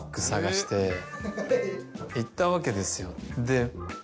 行ったわけですよ。